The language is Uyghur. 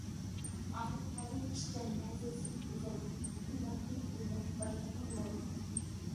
ئادەملىرى ئىشچان، مەنزىرىسى گۈزەل، كىلىماتى ئىللىق، بايلىقى مول.